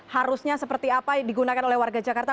harusnya seperti apa digunakan oleh warga jakarta